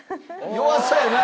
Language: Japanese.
弱そうやな！